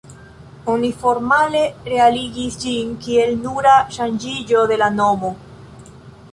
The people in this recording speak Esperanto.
Oni formale realigis ĝin kiel nura ŝanĝiĝo de la nomo.